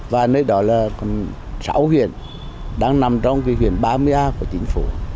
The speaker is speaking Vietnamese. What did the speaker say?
và nơi đó là còn sáu huyện đang nằm trong huyện ba mươi a của chính phủ